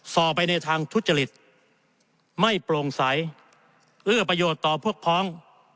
ต่อไปในทางทุจริตไม่โปร่งใสเอื้อประโยชน์ต่อพวกพ้อง